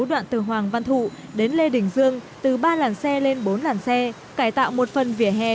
đoạn từ hoàng văn thụ đến lê đình dương từ ba làn xe lên bốn làn xe cải tạo một phần vỉa hè